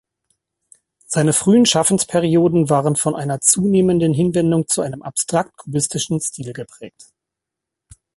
Seine frühen Schaffensperioden waren von einer zunehmenden Hinwendung zu einem abstrakt-kubistischen Stil geprägt.